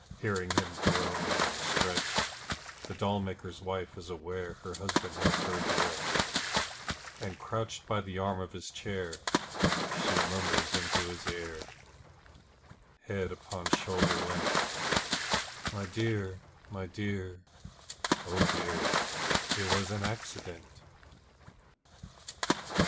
Hearing him groan and stretch The doll maker's wife is aware Her husband has heard the wretch, And crouched by the arm of his chair, She murmurs into his ear, Head upon shoulder leant: 'My dear, my dear, oh dear, It was an accident.'